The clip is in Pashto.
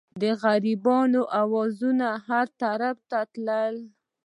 د غریبانو اوازونه هر طرف ته تلل.